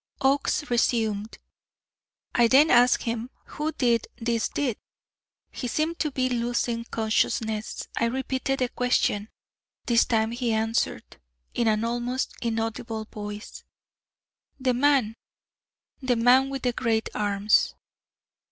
Oakes resumed: "I then asked him, 'Who did this deed?' He seemed to be losing consciousness. I repeated the question. This time he answered, in an almost inaudible voice: 'The man the man with the great arms.'"